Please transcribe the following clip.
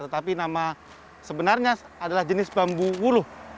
tetapi nama sebenarnya adalah jenis bambu wuluh